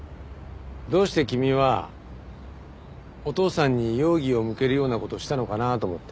どうして君はお父さんに容疑を向けるような事をしたのかなと思って。